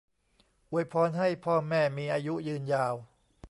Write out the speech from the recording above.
อวยพรให้พ่อแม่มีอายุยืนยาว